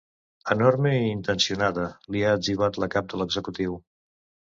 Enorme i intencionada, li ha etzibat la cap de l’executiu.